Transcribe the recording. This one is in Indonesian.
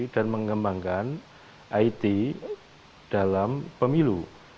dan mengembangkan it dalam pemilu